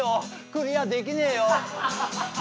クリアできねえよ。